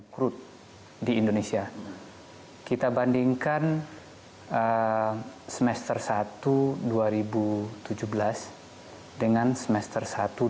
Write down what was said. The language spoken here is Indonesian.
krut di indonesia kita bandingkan semester satu dua ribu tujuh belas dengan semester satu dua ribu